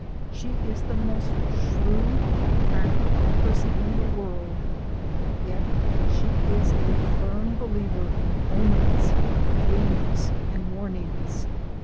She is the most shrewd and practical person in the world, yet she is a firm be liever in omens, dreams, and warnings.